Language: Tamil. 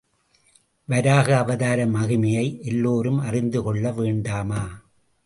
வராக அவதார மகிமையை எல்லோரும் அறிந்து கொள்ள வேண்டாமா?